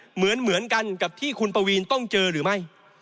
เหมือนกันกับที่คุณปวีนต้องเจอหรือไม่